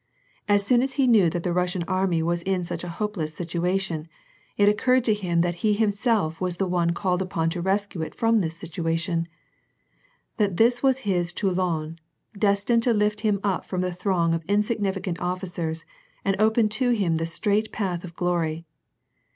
As soon as he knew that the Russian army was in such a hopeless situation, it occurred to him that he him self was the one called ui)Ou to rescue it from this situation, — that this was his Toulon, destined to lift him from the throng of insignificant officers and ()i)en to him the straight path of glory